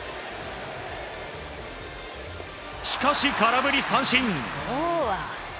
しかし空振り三振。